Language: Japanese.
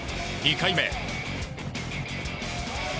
２回目。